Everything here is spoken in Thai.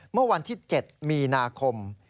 เมื่อวันที่๗มีนาคม